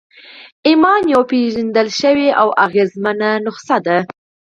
ایمان یوه پېژندل شوې او اغېزمنه نسخه ده